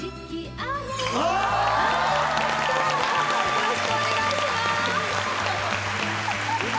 よろしくお願いします。